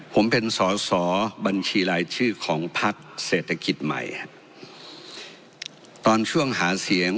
ผมเป็นสอสอบัญชีรายชื่อของพักเศรษฐกิจใหม่ตอนช่วงหาเสียง